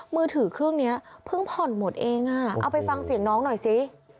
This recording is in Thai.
มือถือเครื่องนี้เพิ่งผ่อนหมดเองอ่ะเอาไปฟังเสียงน้องหน่อยสิ